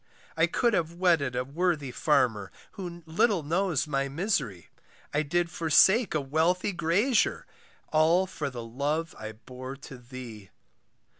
I could have wedded a worthy farmer, Who little knows my misery; I did forsake a wealthy grazier, All for the love I bore to thee.